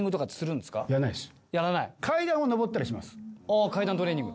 階段トレーニング。